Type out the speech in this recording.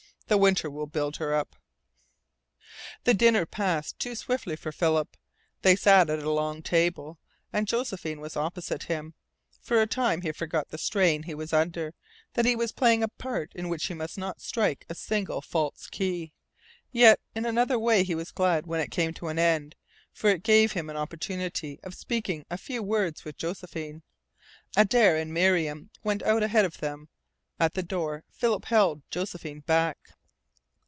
The winter will build her up." The dinner passed too swiftly for Philip. They sat at a long table, and Josephine was opposite him. For a time he forgot the strain he was under, that he was playing a part in which he must not strike a single false key. Yet in another way he was glad when it came to an end, for it gave him an opportunity of speaking a few words with Josephine. Adare and Miriam went out ahead of them. At the door Philip held Josephine back.